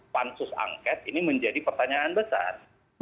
pansus angket ini menjadi pertanyaan besar